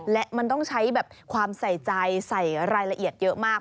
และมันต้องใช้แบบความใส่ใจใส่รายละเอียดเยอะมาก